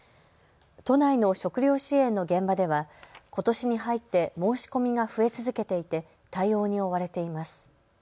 都内の食料支援の現場ではことしに入って申し込みが増え続けていて対応に追われています。